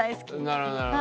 なるほどなるほど。